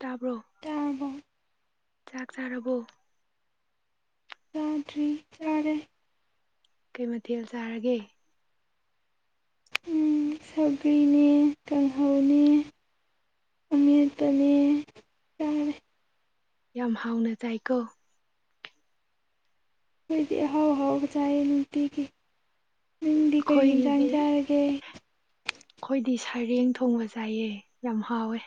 ꯇꯥꯕ꯭ꯔꯣ ꯆꯥꯔꯕꯣ ꯆꯥꯛ ꯆꯥꯔ ꯕꯣ ꯆꯥꯗ꯭ꯔꯤ ꯆꯥꯔꯦ ꯀꯩ ꯃꯊꯦꯜ ꯆꯥꯔ ꯒꯦ ꯎꯝ ꯁꯧꯒ꯭ꯔꯤꯅꯦ ꯀꯥꯡꯍꯧ ꯅꯦ ꯑꯉꯦꯠꯇꯅꯦ ꯌꯥꯝ ꯍꯥꯎꯅ ꯆꯥꯏꯀꯣ ꯈꯣꯏꯗꯤ ꯑ ꯍꯥꯎ ꯍꯥꯎꯕ ꯆꯥꯏꯌꯦ ꯅꯨꯡꯇꯤꯒꯤ ꯅꯪꯗꯤ ꯀꯔꯤ ꯑꯈꯣꯏ ꯌꯦꯟꯁꯥꯡ ꯒꯤꯗꯤ ꯆꯥꯔꯒꯦ ꯈꯣꯏꯗꯤ ꯁꯔꯦꯡ ꯊꯣꯡꯕ ꯆꯥꯏꯌꯦ ꯌꯥꯝ ꯍꯥꯎꯋꯦ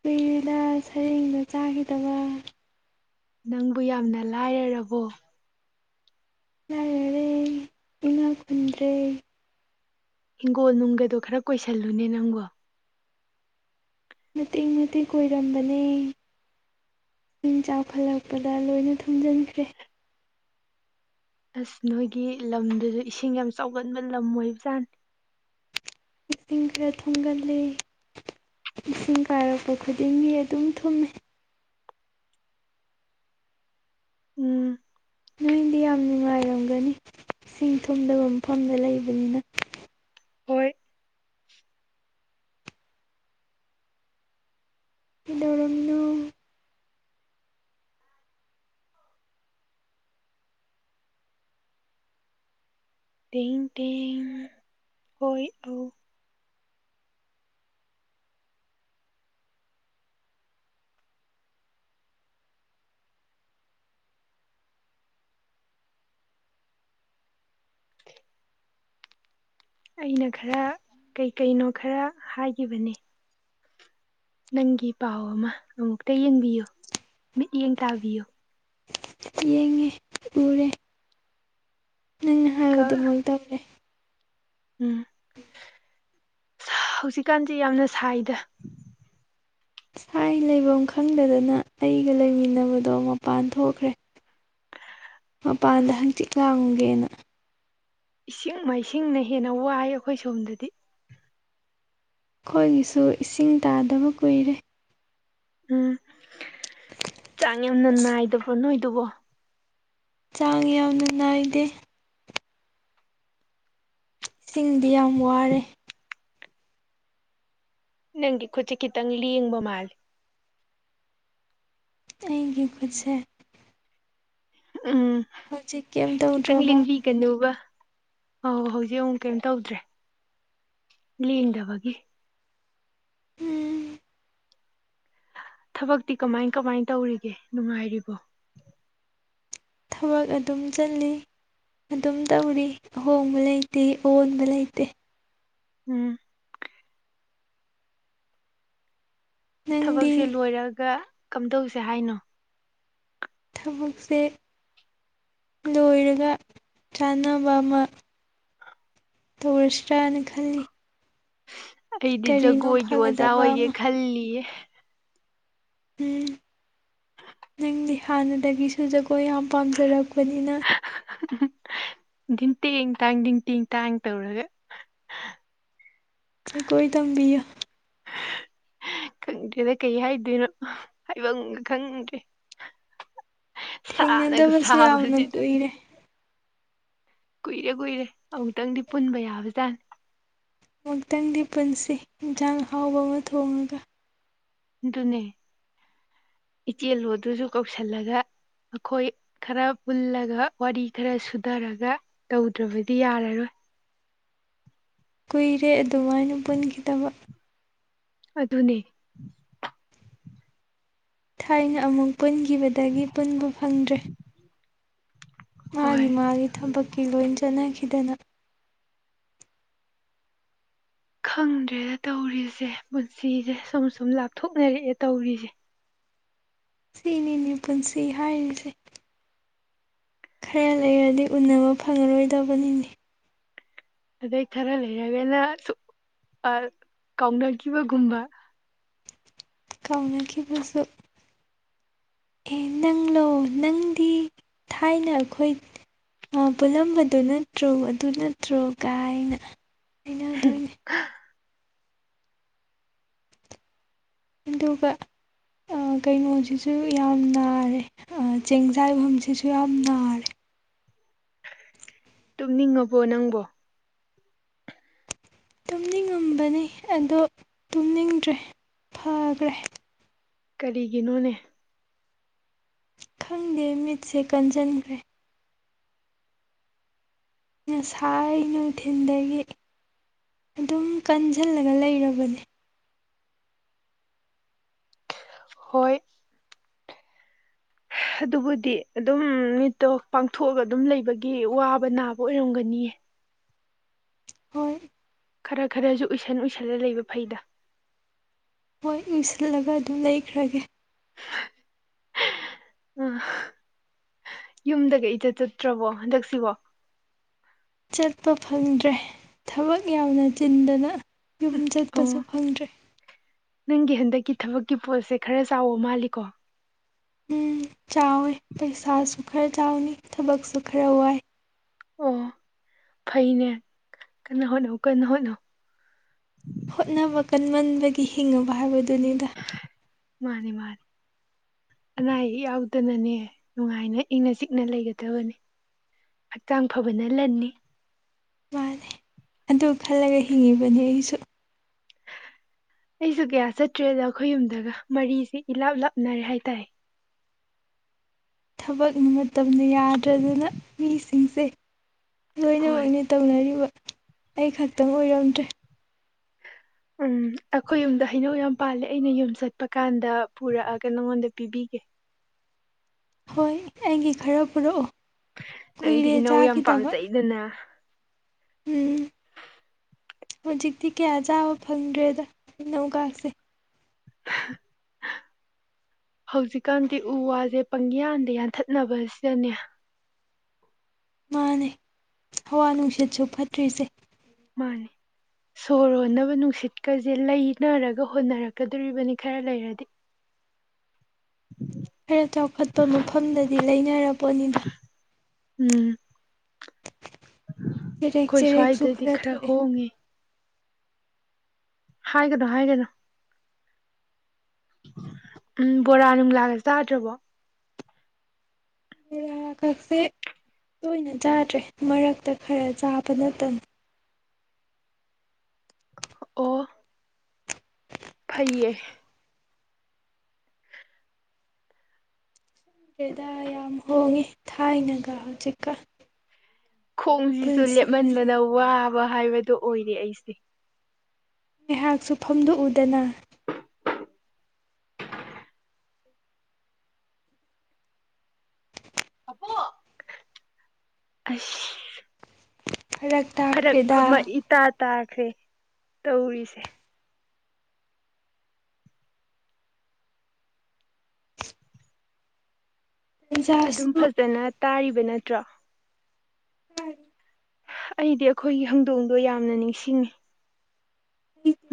ꯀꯨꯏꯔꯦꯗ ꯁꯔꯦꯡꯗ ꯆꯥꯈꯤꯗꯕ ꯅꯪꯕꯨ ꯌꯥꯝꯅ ꯂꯥꯏꯔ ꯔꯕꯣ ꯂꯥꯏꯔꯔꯦ ꯏꯅꯥꯛ ꯈꯨꯨꯟꯗ꯭ꯔꯦ ꯍꯤꯡꯒꯣꯜ ꯅꯨꯡꯒꯗꯣ ꯈꯔ ꯀꯣꯏꯁꯜ ꯂꯨꯅꯦ ꯅꯪꯕꯣ ꯃꯇꯦꯛ ꯃꯇꯦꯛ ꯀꯣꯏꯔꯝꯕꯅꯦ ꯏꯁꯤꯡ ꯆꯥꯎꯈꯠ ꯂꯛꯄꯗ ꯂꯣꯏꯅ ꯊꯨꯝꯖꯤꯟꯈ꯭ꯔꯦ ꯑꯁ ꯅꯣꯏꯒꯤ ꯂꯝꯗꯨꯁꯨ ꯏꯁꯤꯡ ꯌꯥꯝ ꯆꯥꯎꯃꯟꯕ ꯂꯝ ꯑꯣꯏꯕꯖꯥꯠꯅꯤ ꯏꯁꯤꯡ ꯈꯔ ꯊꯨꯝꯒꯜꯂꯦ ꯏꯁꯤꯡ ꯀꯥꯏꯔꯛꯄ ꯈꯨꯗꯤꯡꯒꯤ ꯑꯗꯨꯝ ꯊꯨꯝꯃꯦ ꯎꯝ ꯅꯣꯏꯗꯤ ꯌꯥꯝ ꯅꯨꯡꯉꯥꯏꯔꯝꯒꯅꯤ ꯏꯁꯤꯡ ꯊꯨꯝꯗꯕ ꯃꯐꯝꯗ ꯂꯩꯕ ꯅꯤꯅ ꯍꯣꯏ ꯀꯩꯗꯧ ꯔꯝꯃꯤꯅꯣ ꯇꯦꯡ ꯇꯦꯡ ꯍꯣꯏ ꯑꯧ ꯑꯩꯅ ꯈꯔ ꯀꯩꯀꯩꯅꯣ ꯈꯔ ꯍꯥꯏꯈꯤ ꯕꯅꯤ ꯅꯪꯒꯤ ꯄꯥꯎ ꯑꯃ ꯑꯃꯨꯛꯇ ꯌꯦꯡꯕꯤꯌꯨ ꯃꯤꯠꯌꯦꯡ ꯇꯥꯕꯤꯌꯨ ꯆꯦꯡꯉꯦ ꯎꯔꯦ ꯍꯥꯏꯕ ꯀ ꯑꯗꯨꯃꯣꯏ ꯇꯧ꯭ꯔꯦ ꯎꯝ ꯍꯧꯖꯤꯛꯀꯥꯟꯖꯤ ꯌꯥꯝꯅ ꯁꯥꯏꯗ ꯑꯩ ꯂꯩꯕꯝ ꯈꯪꯗꯗꯅ ꯑꯩꯒ ꯂꯩꯃꯤꯟꯅꯕꯗꯣ ꯃꯄꯥꯟ ꯊꯣꯛꯈ꯭ꯔꯦ ꯃꯄꯥꯟꯗ ꯑꯁ ꯍꯛꯆꯤꯛ ꯂꯥꯡꯒꯦꯅ ꯏꯁꯤꯡ ꯃꯥꯏꯁꯤꯡꯅ ꯍꯦꯟꯅ ꯋꯥꯏ ꯑꯈꯣꯏ ꯁꯣꯝꯗꯗꯤ ꯈꯣꯏꯒꯤꯁꯨ ꯏꯁꯤꯡ ꯇꯥꯗꯕ ꯀꯨꯏꯔꯦ ꯎꯝ ꯆꯥꯡ ꯌꯥꯝꯅ ꯅꯥꯏꯗꯕ꯭ꯔꯣ ꯅꯣꯏꯗꯨꯕꯨ ꯆꯥꯡ ꯌꯥꯝꯅ ꯅꯥꯏꯗꯦ ꯏꯁꯤꯡꯗꯤ ꯌꯥꯝ ꯋꯥꯔꯦ ꯅꯪꯒꯤ ꯈꯨꯠꯁꯦ ꯈꯤꯇꯪ ꯂꯦꯡꯕ ꯃꯥꯜꯜꯂꯤꯦ ꯑꯩꯒꯤ ꯈꯨꯠꯁꯦ ꯎꯝ ꯍꯧꯖꯤꯛ ꯀꯩꯝ ꯇꯧꯗ꯭ꯔꯕꯣ ꯀꯩꯅꯣꯒ ꯑꯧ ꯍꯧꯖꯤꯛ ꯑꯃꯨꯛ ꯀꯩꯝ ꯇꯧꯗ꯭ꯔꯦ ꯂꯦꯡꯗꯕꯒꯤ ꯍꯨꯝ ꯊꯕꯛꯇꯤ ꯀꯃꯥꯏ ꯀꯃꯥꯏꯅ ꯇꯧꯔꯤꯒꯦ ꯅꯨꯡꯉꯥꯏꯔꯤꯕꯣ ꯊꯕꯛ ꯑꯗꯨꯝ ꯆꯜꯂꯤꯠ ꯑꯗꯨꯝ ꯇꯧꯔꯤ ꯑꯍꯣꯡꯕ ꯂꯩꯇꯦ ꯑꯑꯣꯟꯕ ꯂꯩꯇꯦ ꯎꯝ ꯊꯕꯛꯁꯦ ꯅꯪꯗꯤ ꯂꯣꯏꯔꯒ ꯀꯝꯗꯧꯁꯦ ꯍꯥꯏꯅꯣ ꯊꯕꯛꯁꯦ ꯂꯣꯏꯔꯒ ꯆꯥꯟꯅꯕ ꯑꯃ ꯇꯧꯔꯁꯤ꯭ꯔꯥꯅ ꯈꯜꯂꯤ ꯑꯩꯗꯤ ꯀꯔꯤꯅꯣ ꯖꯒꯣꯏꯒꯤ ꯑꯣꯖꯥ ꯐꯒꯗꯕ ꯑꯣꯏꯒꯦ ꯑꯃ ꯈꯜꯂꯤꯌꯦ ꯎꯝ ꯅꯪꯗꯤ ꯍꯥꯟꯅꯗꯒꯤꯁꯨ ꯖꯒꯣꯏ ꯌꯥꯝ ꯄꯥꯝꯖꯔꯛꯄꯅꯤꯅ ꯦꯡꯇꯦꯡ ꯇꯥꯡ ꯤꯡ ꯇꯦꯡ ꯇꯥꯡ ꯇꯧꯔꯒ ꯀꯣꯏ ꯇꯝꯕꯤ ꯈꯪꯗꯦꯗ ꯀꯩ ꯍꯥꯏꯗꯣꯏꯅꯣ ꯍꯥꯏꯕꯒ ꯈꯪꯗ꯭ꯔꯦ ꯁꯅꯒ ꯊꯦꯡꯅꯗꯕꯁꯨ ꯌꯥꯝꯅ ꯁꯥꯕꯖꯤꯗ ꯀꯨꯏꯔꯦ ꯀꯨꯏꯔꯦ ꯀꯨꯏꯔꯦ ꯑꯃꯨꯛꯇꯪꯗꯤ ꯄꯨꯟꯕ ꯌꯥꯕꯖꯥꯠꯅꯤ ꯑꯃꯨꯛꯇꯪꯗꯤ ꯄꯨꯟꯁꯤ ꯌꯦꯟꯖꯥꯡ ꯍꯥꯎꯕ ꯑꯃ ꯊꯣꯡꯉꯒ ꯑꯗꯨꯅꯦ ꯏꯆꯦꯜꯂꯣ ꯑꯗꯨꯁꯨ ꯀꯧꯁꯤꯜꯂꯒ ꯑꯩꯈꯣꯏ ꯈꯔ ꯄꯨꯜꯂꯒ ꯋꯥꯔꯤ ꯈꯔ ꯁꯨꯊꯔꯒ ꯇꯧꯗ꯭ꯔꯕꯗꯤ ꯌꯥꯔꯔꯣꯏ ꯀꯨꯏꯔꯦ ꯑꯗꯨꯃꯥꯏꯅ ꯄꯨꯟꯈꯤꯗꯕ ꯑꯗꯨꯅꯤ ꯊꯥꯏꯅ ꯑꯃꯨꯛ ꯄꯨꯟꯈꯤꯕꯗꯒꯤ ꯄꯨꯟꯕ ꯐꯪꯗ꯭ꯔꯦ ꯍꯣꯏ ꯃꯥꯒꯤ ꯃꯥꯒꯤ ꯊꯕꯛꯀꯤ ꯂꯣꯏ ꯆꯠꯅꯈꯤꯗꯅ ꯈꯪꯗ꯭ꯔꯦꯗ ꯇꯧꯔꯤꯁꯦ ꯄꯨꯟꯁꯤꯁꯦ ꯁꯨꯝ ꯁꯨꯝ ꯂꯥꯞꯊꯣꯛꯅꯔꯛꯑꯦ ꯇꯧꯔꯤꯁꯦ ꯁꯤꯅꯦꯅꯦ ꯄꯨꯟꯁꯤ ꯍꯥꯏꯔꯤꯁꯦ ꯈꯔ ꯂꯩꯔꯗꯤ ꯎꯅꯕ ꯐꯪꯉꯔꯣꯏꯗꯕꯅꯤꯅꯤ ꯑꯗꯩ ꯈꯔ ꯂꯩꯔꯒꯅ ꯀꯥꯎꯅꯈꯤꯕꯒꯨꯝꯕ ꯀꯥꯎꯅꯈꯤꯕꯁꯨ ꯑꯦ ꯅꯪꯂ ꯂꯣ ꯅꯪꯗꯤ ꯊꯥꯏꯅ ꯑꯩꯈꯣꯏ ꯄꯨꯜꯂꯝꯕꯗꯨꯣ ꯅꯠꯇ꯭ꯔꯣ ꯑꯗꯨ ꯅꯠꯇ꯭ꯔꯣ ꯀꯥꯏꯅ ꯍꯥꯏꯅꯗꯣꯏꯅꯦ [unintelligible] ꯑꯗꯨꯒ ꯀꯩꯅꯣꯁꯤꯁꯨ ꯌꯥꯝ ꯅꯥꯔꯦ ꯆꯦꯡ ꯆꯥꯏꯐꯝꯁꯤꯁꯨ ꯌꯥꯝ ꯅꯥꯔꯦ ꯇꯨꯝꯅꯤꯡꯉꯕꯣ ꯅꯪꯕꯣ ꯇꯨꯝꯅꯤꯡꯉꯝꯕꯅꯤ ꯑꯗꯣ ꯇꯨꯝꯅꯤꯡꯗ꯭ꯔꯦ ꯐꯈ꯭ꯔꯦ ꯀꯔꯤꯒꯤꯅꯣꯅꯦ ꯈꯪꯗꯦ ꯃꯤꯠꯁꯦ ꯀꯟꯁꯤꯟꯈ꯭ꯔꯦ ꯉꯁꯥꯏ ꯅꯨꯡꯊꯤꯟꯗꯒꯤ ꯑꯗꯨꯝ ꯀꯟꯁꯤꯜꯂꯒ ꯂꯩꯔꯕꯅꯦ ꯍꯣꯏ ꯑꯗꯨꯕꯨꯗꯤ ꯑꯗꯨꯝ ꯃꯤꯠꯇꯣ ꯄꯥꯡꯊꯣꯛꯑꯒ ꯑꯗꯨꯝ ꯂꯩꯕꯒꯤ ꯋꯥꯕ ꯅꯥꯕ ꯑꯣꯏꯔꯝꯒꯅꯤꯌꯦ ꯍꯣꯏ ꯈꯔ ꯈꯔꯁꯨ ꯎꯏꯁꯟ ꯎꯏꯁꯜꯂ ꯂꯩꯕ ꯐꯩꯗ ꯍꯣꯏ ꯏꯁꯤꯜꯂꯒ ꯑꯗꯨꯝ ꯂꯩꯈ꯭ꯔꯒꯦ ꯎꯝ ꯌꯨꯝꯗꯒ ꯏꯗ ꯆꯠꯇ꯭ꯔꯕꯣ ꯍꯟꯗꯛꯁꯤꯕꯣ ꯆꯠꯄ ꯐꯪꯗ꯭ꯔꯦ ꯊꯕꯛ ꯌꯥꯝꯅ ꯆꯤꯟꯗꯅ ꯌꯨꯝ ꯑꯣ ꯆꯠꯄꯁꯨ ꯐꯪꯗ꯭ꯔꯦ ꯅꯪꯒꯤ ꯍꯟꯗꯛꯀꯤ ꯊꯕꯛꯀꯤ ꯄꯣꯠꯁꯦ ꯈꯔ ꯆꯥꯎꯕ ꯃꯥꯜꯂꯤꯀꯣ ꯎꯝ ꯆꯥꯦ ꯄꯩꯁꯥ ꯁꯈꯔ ꯆꯥꯎꯅꯤ ꯊꯕꯛ ꯁꯨꯈꯔ ꯍꯍ ꯑꯣ ꯐꯩꯅꯦ ꯀꯟꯅ ꯍꯣꯠꯅꯧ ꯀꯟꯅ ꯍꯣꯠꯅꯧ ꯍꯣꯠꯅꯕ ꯀꯟꯃꯟꯕꯒꯤ ꯍꯤꯡꯉꯕ ꯍꯥꯏꯕꯗꯨꯅꯤꯗ ꯃꯥꯅꯤ ꯃꯥꯅꯤ ꯑꯅꯥ ꯑꯌꯦꯛ ꯌꯥꯎꯗꯅꯅꯦ ꯅꯨꯡꯉꯥꯏꯅ ꯏꯪꯅ ꯆꯤꯛꯅ ꯂꯩꯒꯗꯕꯅꯦ ꯍꯛꯆꯥꯡ ꯐꯕꯅ ꯂꯟꯅꯤ ꯃꯥꯅꯦ ꯑꯗꯨ ꯈꯜꯂꯒ ꯍꯤꯡꯉꯤꯕꯅꯤ ꯑꯩꯁꯨ ꯑꯩꯁꯨ ꯀꯌꯥ ꯆꯠꯇ꯭ꯔꯦꯗ ꯑꯩꯈꯣꯏ ꯌꯨꯝꯗꯒ ꯃꯔꯤꯁꯤꯦ ꯏꯂꯥꯞ ꯂꯥꯞꯅꯔꯦ ꯍꯥꯏꯇꯥꯔꯦ ꯊꯕꯛ ꯃꯇꯝꯗ ꯌꯥꯗ꯭ꯔꯗꯅ ꯃꯤꯁꯤꯡꯁꯦ ꯍꯣꯏ ꯂꯣꯏꯅꯃꯛꯅꯦ ꯇꯧꯅꯔꯤꯕ ꯑꯩ ꯈꯛꯇꯪ ꯑꯣꯏꯔꯝꯗ꯭ꯔꯦ ꯎꯝ ꯑꯩꯈꯣꯏ ꯌꯨꯝꯗ ꯍꯩꯅꯧ ꯌꯥꯝ ꯄꯥꯜꯂꯦ ꯑꯩꯅ ꯌꯨꯝ ꯆꯠꯄ ꯀꯥꯟꯗ ꯄꯨꯔꯛꯑꯒ ꯅꯪꯉꯣꯟꯗ ꯄꯤꯕꯤꯒꯦ ꯍꯣꯏ ꯑꯩꯒꯤ ꯈꯔ ꯄꯨꯔꯛꯑꯣ ꯀꯨꯏꯔꯦ ꯆꯥꯈꯤꯗꯕ ꯑꯗꯨꯅ ꯎꯝ ꯍꯧꯖꯤꯛꯇꯤ ꯀꯌꯥ ꯆꯥꯕ ꯐꯪꯗ꯭ꯔꯦꯗ ꯏꯅꯧꯒꯁꯦ [unintelligible] ꯍꯧꯖꯤꯛꯀꯥꯟꯗꯤ ꯎ ꯋꯥꯁꯦ ꯄꯪꯌꯥꯟꯗ ꯌꯥꯟꯊꯠꯅꯕꯁꯤꯗꯅꯦ ꯃꯥꯅꯦ ꯍꯋꯥ ꯅꯨꯡꯁꯤꯠꯁꯨ ꯐꯠꯇ꯭ꯔꯤꯁꯦ ꯃꯥꯅꯦ ꯁꯣꯔꯣꯟꯅꯕ ꯅꯨꯡꯁꯤꯠꯀꯁꯦ ꯂꯩꯅꯔꯒ ꯍꯣꯠꯅꯔꯛꯀꯗꯣꯔꯤꯕꯅꯤ ꯈꯔ ꯂꯩꯔꯗꯤ ꯈꯔ ꯆꯥꯎꯈꯠꯄ ꯃꯐꯝꯗꯗꯤ ꯂꯩꯅꯔꯕꯣꯅꯤꯗ ꯎꯝ ꯆꯦꯔꯦꯛ ꯑꯩꯈꯣꯏ ꯆꯦꯔꯦꯛꯁꯨ ꯁ꯭ꯋꯥꯏꯗꯗꯤ ꯈꯔ ꯊꯣꯛꯑꯦ ꯍꯣꯡꯉꯦ ꯍꯥꯏꯒꯗꯣ ꯍꯥꯏꯒꯗꯣ ꯎꯝ ꯕꯣꯔꯥ ꯑꯅꯤꯃꯤꯂꯥꯒ ꯆꯥꯗ꯭ꯔꯕꯣ ꯣꯔꯥ ꯀꯛꯁꯦ ꯇꯣꯏꯅ ꯆꯥꯗ꯭ꯔꯦ ꯃꯔꯛꯇ ꯈꯔ ꯆꯥꯕ ꯅꯠꯇꯅ ꯑꯣ [unintelligible] ꯐꯩꯌꯦ ꯗꯦꯗꯥ ꯌꯥꯝ ꯍꯣꯡꯉꯤ ꯊꯥꯏꯅꯒ ꯍꯧꯖꯤꯛꯀ ꯈꯣꯡꯁꯤꯁꯨ ꯄꯨꯟꯁꯤꯁꯦ ꯂꯦꯞꯍꯟꯕꯅ ꯋꯥꯕ ꯍꯥꯏꯕꯗꯣ ꯑꯣꯏꯔꯦ ꯑꯩꯁꯦ ꯉꯥꯏꯍꯥꯛꯁꯨ ꯐꯝꯗꯣꯛꯎꯗꯅ ꯑꯣ ꯑ ꯐꯔꯛ ꯐꯔꯛ ꯇꯥꯈ꯭ꯔꯦꯗ ꯑꯃ ꯏꯇꯥ ꯇꯥꯈ꯭ꯔꯦ ꯇꯧꯔꯤꯁꯦ ꯑꯗꯨꯝ ꯇꯟꯖꯥꯁꯨ ꯐꯖꯅ ꯇꯥꯔꯤꯕ ꯅꯠꯇ꯭ꯔꯣ ꯎꯝ ꯑꯩꯗꯤ ꯑꯩꯈꯣꯏꯒꯤ ꯍꯧꯪꯗꯣꯡꯗꯣ ꯌꯥꯝꯅ ꯅꯤꯡꯁꯤꯡꯉꯤ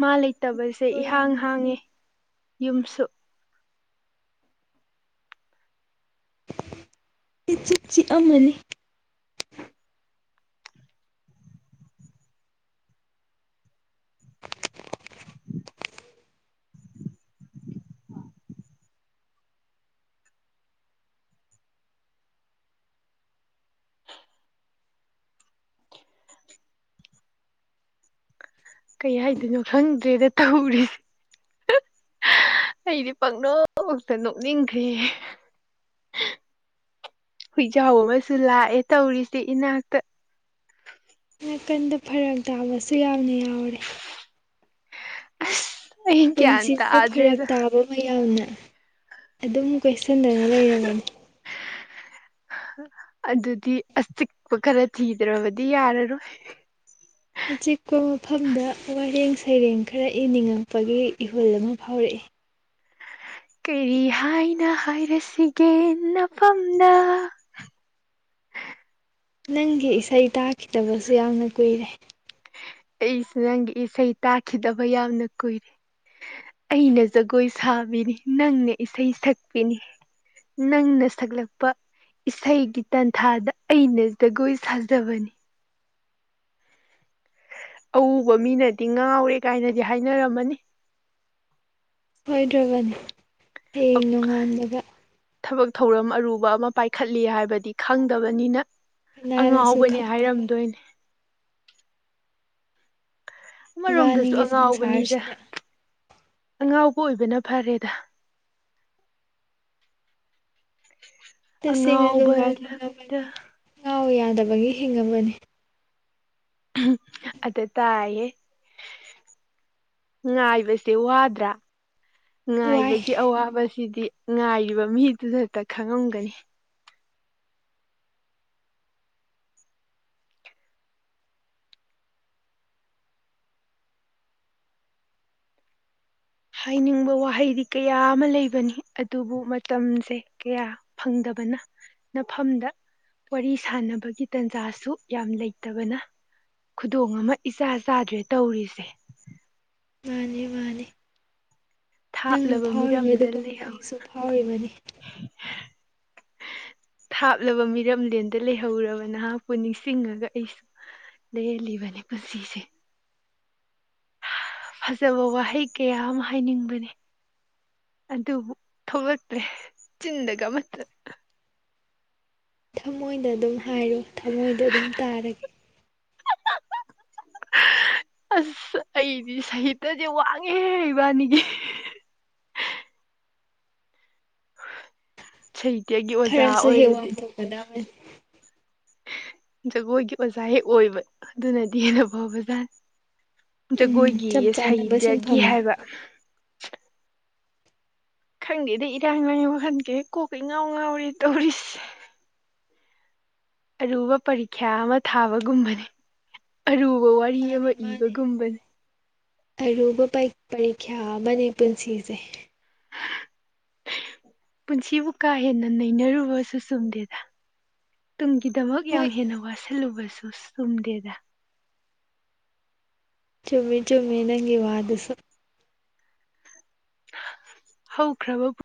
ꯃꯥ ꯂꯩꯇꯕꯁꯦ ꯌꯥꯝ ꯏꯍꯥꯡ ꯍꯥꯡꯉꯦ ꯅꯤꯡꯁꯤꯡꯉꯤ ꯌꯨꯝꯁꯨ ꯏꯆꯤꯆꯤ ꯑꯃꯅꯤ ꯀꯩ ꯍꯥꯏꯗꯅꯣ ꯈꯪꯗ꯭ꯔꯦꯗ ꯇꯧꯔꯤꯁꯦ ꯑꯩꯗꯤ ꯄꯛꯅꯧꯃꯛꯇ ꯅꯣꯛꯅꯤꯡꯈ꯭ꯔꯦ ꯍꯨꯏꯖꯥꯎ ꯑꯃꯁꯨ ꯂꯥꯛꯑꯦ ꯇꯧꯔꯤꯁꯦ ꯏꯅꯥꯛꯇ ꯅꯥꯀꯟꯗ ꯐꯔꯛ ꯇꯥꯕꯁꯨ ꯌꯥꯝꯅ ꯌꯥꯎꯔꯦ ꯑꯁ ꯍꯀꯦꯌꯥꯇ ꯑꯗꯨꯗ꯭ꯔꯦ ꯑꯗꯨ ꯍꯣꯏ ꯌꯥꯎꯅ ꯑꯗꯨꯝ ꯀꯣꯏꯁꯟꯗꯅ ꯂꯩꯔꯕꯅꯤ ꯑꯗꯨꯗꯤ ꯑꯆꯤꯛꯄ ꯈꯔ ꯊꯤꯗ꯭ꯔꯕꯗꯤ ꯌꯥꯔꯔꯣꯏ ꯑꯆꯤꯛꯄ ꯃꯐꯝꯗ ꯋꯥꯔꯦꯡ ꯁꯩꯔꯦꯡ ꯈꯔ ꯏꯅꯤꯡꯉꯛꯄꯒꯤ ꯏꯍꯨꯜ ꯑꯃ ꯐꯥꯎꯔꯛꯏ ꯀꯔꯤ ꯍꯥꯏꯅ ꯍꯥꯏꯔꯁꯤꯒꯦ ꯅꯐꯝꯗ ꯅꯪꯒꯤ ꯏꯁꯩ ꯇꯥꯈꯤꯗꯕꯁꯨ ꯌꯥꯝꯅ ꯀꯨꯏꯔꯦ ꯑꯩꯁꯨ ꯅꯪꯒꯤ ꯏꯁꯩ ꯇꯥꯈꯤꯗꯕ ꯌꯥꯝꯅ ꯀꯨꯏꯔꯦ ꯑꯩꯅ ꯖꯒꯣꯏ ꯁꯥꯕꯤꯅꯤ ꯅꯪꯅ ꯏꯁꯩ ꯁꯛꯄꯤꯅꯤ ꯅꯪꯅ ꯁꯛꯂꯛꯄ ꯏꯁꯩꯒꯤ ꯇꯟꯊꯥꯗ ꯑꯩꯅ ꯖꯒꯣꯏ ꯁꯥꯖꯕꯅꯤ ꯑꯎꯕ ꯃꯤꯅꯗꯤ ꯉꯥꯎꯔꯦ ꯀꯥꯏꯅꯗꯤ ꯍꯥꯏꯅꯔꯝꯃꯅꯤ ꯁꯣꯏꯗ꯭ꯔꯕꯅꯤ ꯍꯌꯦꯡ ꯅꯣꯡꯉꯥꯟꯕꯒ ꯊꯕꯛ ꯊꯧꯔꯝ ꯑꯔꯨꯕ ꯑꯃ ꯄꯥꯏꯈꯠꯂꯤ ꯍꯥꯏꯕꯗꯤ ꯈꯪꯗꯕꯅꯤꯅ ꯀꯅꯥꯅꯁꯨ ꯑꯉꯥꯎꯕꯅꯦ ꯈꯪꯗꯕ ꯍꯥꯏꯔꯝꯗꯣꯏꯅꯦ ꯑꯃꯔꯣꯝꯗꯁꯨ ꯏꯕꯥꯅꯤꯒꯤ ꯑꯉꯥꯎꯕꯅꯤꯗ ꯁꯪꯁꯥꯔꯁꯤꯗ ꯑꯉꯥꯎꯕ ꯑꯣꯏꯕꯅ ꯐꯔꯦꯗ ꯇꯁꯦꯡꯅꯗꯨꯝ ꯑꯉꯥꯎꯕ ꯂꯛꯇ ꯉꯥꯎꯅꯤꯡꯉꯕꯅꯤ ꯉꯥꯎ ꯌꯥꯗꯕꯒꯤ ꯍꯤꯡꯉꯕꯅꯤ ꯑꯗꯨ ꯇꯥꯏꯍꯦ ꯉꯥꯏꯕꯁꯦ ꯋꯥꯗ꯭ꯔꯥ ꯋꯥꯏ ꯉꯥꯏꯕꯒꯤ ꯑꯋꯥꯕꯁꯤꯗꯤ ꯉꯥꯏꯔꯤꯕ ꯃꯤꯗꯨꯗꯛꯇ ꯈꯪꯉꯝꯒꯅꯤ ꯍꯥꯏꯅꯤꯡꯕ ꯋꯥꯍꯩꯗꯤ ꯀꯌꯥ ꯑꯃ ꯂꯩꯕꯅꯤ ꯑꯗꯨꯕꯨ ꯃꯇꯝꯁꯦ ꯀꯌꯥ ꯐꯪꯗꯕꯅ ꯅꯐꯝꯗ ꯋꯥꯔꯤ ꯁꯥꯟꯅꯕꯒꯤ ꯇꯥꯟꯖꯥꯁꯨ ꯌꯥꯝ ꯂꯩꯇꯕꯅ ꯈꯨꯗꯣꯡ ꯑꯃ ꯏꯆꯥ ꯆꯥꯗ꯭ꯔꯦ ꯇꯧꯔꯤꯁꯦ ꯃꯥꯅꯤ ꯃꯥꯅꯤ ꯅꯪꯅ ꯊꯥꯞꯂꯕ ꯐꯥꯎꯔꯤꯕ ꯃꯤꯔꯝꯗ ꯑꯗꯨꯒꯨꯝꯅ ꯂꯩꯍꯧ ꯑꯩꯁꯨ ꯐꯥꯎꯔꯤꯕꯅꯤ ꯊꯥꯞꯂꯕ ꯃꯤꯔꯝꯂꯦꯟꯗ ꯂꯩꯍꯧꯔꯕ ꯅꯍꯥꯛꯄꯨ ꯅꯤꯡꯁꯤꯡꯉꯒ ꯑꯩꯁꯨ ꯂꯦꯟꯂꯤꯕꯅꯤ ꯄꯨꯟꯁꯤꯁꯦ ꯐꯖꯕ ꯋꯥꯍꯩ ꯀꯌꯥ ꯑꯃ ꯍꯥꯏꯅꯤꯡꯕꯅꯤ ꯑꯗꯨꯕꯨ ꯊꯣꯛꯂꯛꯇ꯭ꯔꯦ ꯆꯤꯟꯗꯒ ꯑꯃꯠꯇ ꯊꯃꯣꯏꯗ ꯑꯗꯨꯝ ꯍꯥꯏꯔꯣ ꯊꯃꯣꯏꯗ ꯑꯗꯨꯝ ꯇꯥꯔꯒꯦ [unintelligible] ꯑꯁ ꯑꯩꯗꯤ ꯁꯥꯍꯤꯇ꯭ꯌꯥꯁꯦ ꯋꯥꯡꯉꯦꯍꯦ ꯏꯕꯥꯅꯤꯒꯤ ꯁꯥꯍꯤꯇ꯭ꯌꯥꯒꯤ ꯑꯣꯖꯥ ꯈꯔꯁꯨ ꯍꯦꯛ ꯑꯣꯏꯔꯗꯤ ꯋꯥꯡꯊꯣꯛꯀꯗꯕꯅꯤ ꯖꯒꯣꯏꯒꯤ ꯑꯣꯖꯥ ꯍꯦꯛ ꯑꯣꯏꯕ ꯑꯗꯨꯅꯗꯤ ꯍꯦꯟꯅ ꯐꯥꯕꯖꯥꯠ ꯎꯝ ꯆꯞ ꯖꯒꯣꯏꯒꯤꯌꯦ ꯆꯥꯅꯕ ꯁꯥꯍꯤꯇ꯭ꯌꯒꯤ ꯁꯤꯟꯐꯝꯅꯦ ꯍꯥꯏꯕ ꯈꯪꯗꯦꯗ ꯏꯔꯥꯡ ꯂꯥꯡꯏ ꯋꯈꯥꯜꯁꯦ ꯀꯣꯛꯀ ꯏꯉꯥꯎ ꯉꯥꯎꯔꯤ ꯇꯧꯔꯤꯁꯦ ꯑꯔꯨꯕ ꯄꯔꯤꯈ꯭ꯌꯥ ꯑꯃ ꯊꯥꯕꯒꯨꯝꯕꯅꯦ ꯑꯔꯨꯕ ꯋꯥꯔꯤ ꯑꯃ ꯃꯥꯅꯦ ꯃꯥꯅꯦ ꯏꯕꯒꯨꯝꯕꯅꯤ ꯑꯔꯨꯕ ꯄꯔꯤꯈ꯭ꯌꯥ ꯑꯃꯅꯦ ꯄꯨꯟꯁꯤꯁꯦ ꯄꯨꯟꯁꯤꯕꯨ ꯀꯥ ꯍꯦꯟꯅ ꯅꯩꯅꯔꯨꯕꯁꯨ ꯆꯨꯝꯗꯦꯗ ꯇꯨꯡꯒꯤꯗꯃꯛ ꯌꯥꯝ ꯍꯣꯏ ꯍꯦꯟꯅ ꯋꯥꯁꯤꯜꯂꯨꯕꯁꯨ ꯆꯨꯝꯗꯦꯗ ꯆꯨꯝꯃꯤ ꯆꯨꯝꯃꯤ ꯅꯪꯒꯤ ꯋꯥꯗꯁꯨ ꯍꯧꯈ꯭ꯔꯕ ꯄꯨꯟ